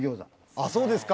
あっそうですか。